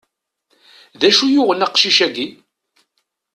D acu yuɣen aqcic-agi?